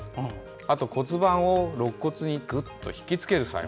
あと、骨盤をろっ骨にぐっと引き付ける作用。